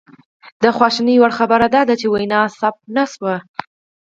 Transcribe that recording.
د خواشینۍ وړ خبره دا ده چې وینا ثبت نه شوه